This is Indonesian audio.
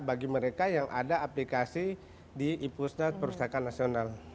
bagi mereka yang ada aplikasi di ipusta perpustakaan nasional